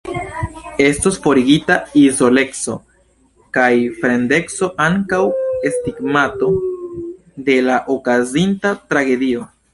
Estos forigita izoleco kaj fremdeco, ankaŭ stigmato de la okazinta tragedio.